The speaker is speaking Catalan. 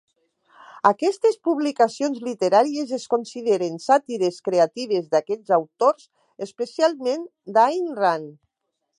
Aquestes publicacions literàries es consideren sàtires creatives d'aquests autors, especialment d'Ayn Rand.